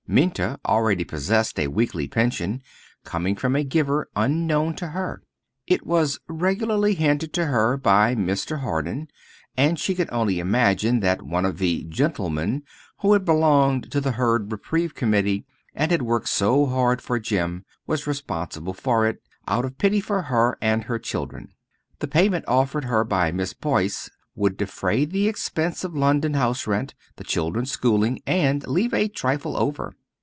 Minta already possessed a weekly pension, coming from a giver unknown to her. It was regularly handed to her by Mr. Harden, and she could only imagine that one of the "gentlemen" who had belonged to the Hurd Reprieve Committee, and had worked so hard for Jim, was responsible for it, out of pity for her and her children. The payment offered her by Miss Boyce would defray the expense of London house rent, the children's schooling, and leave a trifle over.